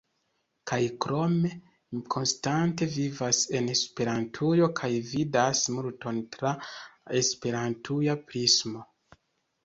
Kaj krome, mi konstante vivas en Esperantujo kaj vidas multon tra la esperantuja prismo.